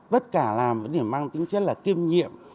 bất cả làm vẫn đều mang tính chất là kiêm nhiệm